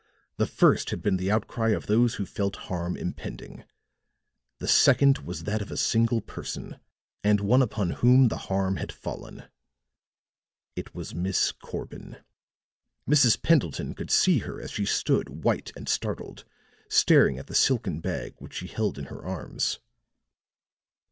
The first had been the outcry of those who felt harm impending; the second was that of a single person, and one upon whom the harm had fallen. It was Miss Corbin; Mrs. Pendleton could see her as she stood white and startled, staring at the silken bag which she held in her hands.